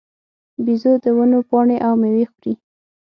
بیزو د ونو پاڼې او مېوې خوري.